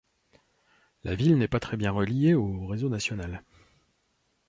La ville n'est pas très bien reliée au réseau national.